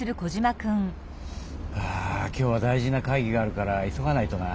あ今日は大事な会議があるから急がないとな。